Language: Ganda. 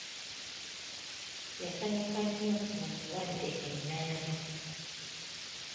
Yasanyuka nnyo nga mmuwadde ennaana.